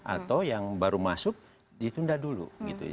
atau yang baru masuk ditunda dulu